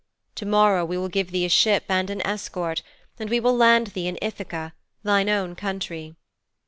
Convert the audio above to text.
To morrow we will give thee a ship and an escort, and we will land thee in Ithaka, thine own country.'